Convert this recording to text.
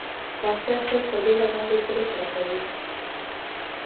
پاچا تل په بېړه باندې پرېکړه کوي کوي.